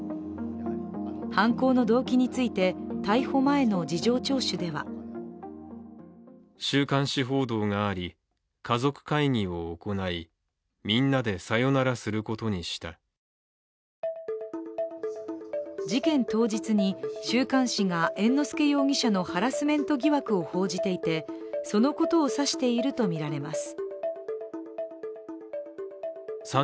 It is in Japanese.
犯行の動機について、逮捕前の事情聴取では事件当日に、週刊誌が猿之助容疑者のハラスメント疑惑を報じていてそのことを指しているとみられます。